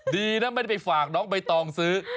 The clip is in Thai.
ดีนะไม่ได้ไปฝากน้องใบตองซื้อ